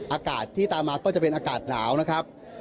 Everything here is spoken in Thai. อากาศที่ตามมาก็จะเป็นอากาศหนาวนะครับ